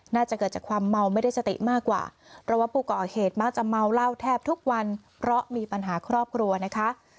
น่าจะเกิดจากความเมาไม่ได้สติมากกว่าเพราะว่าผู้ก่อเหตุมักจะเมาเหล้าแทบทุกวันเพราะมีปัญหาครอบครัวนะคะ